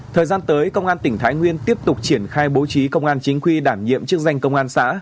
thời gian tới công an tỉnh thái nguyên tiếp tục triển khai bố trí công an chính quy đảm nhiệm chức danh công an xã